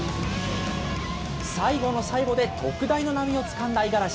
最後の最後で特大の波をつかんだ五十嵐。